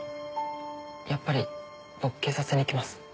やっぱり僕警察に行きます。